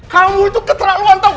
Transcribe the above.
kamu itu keterlaluan tau gak